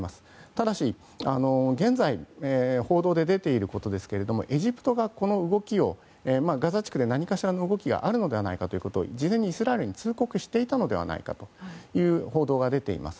ただし、現在報道で出ていることですけどもエジプトがこの動きをガザ地区で何かしらの動きがあるのではないかと事前にイスラエルに通告していたのではないかという報道が出ています。